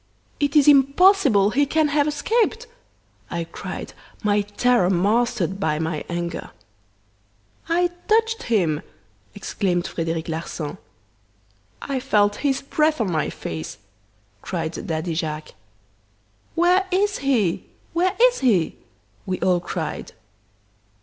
"'It is impossible he can have escaped!' I cried, my terror mastered by my anger. "'I touched him!' exclaimed Frederic Larsan. "'I felt his breath on my face!' cried Daddy Jacques. "'Where is he?' where is he?' we all cried.